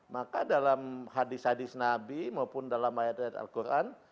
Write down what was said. maka dalam hadis hadis nabi maupun dalam ayat ayat al quran